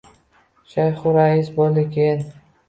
Shayxurrais boʼldi keyin